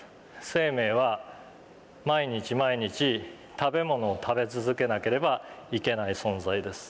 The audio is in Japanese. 生命は毎日毎日食べものを食べ続けなければいけない存在です。